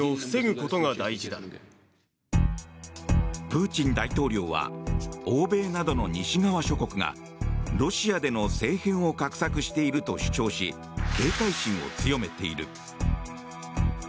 プーチン大統領は欧米などの西側諸国がロシアでの政変を画策していると主張し警戒心を強めている。